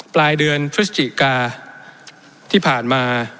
ปลายเดือนพฤศจิกาที่ผ่านมา